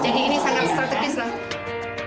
jadi ini sangat strategis lah